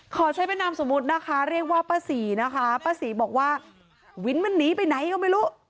ขอใช้เป็นนามสมมุตินะคะเรียกว่าป้าศรีนะคะป้าศรีบอกว่าวินมันหนีไปไหนก็ไม่รู้